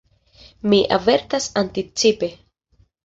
Mi avertas anticipe.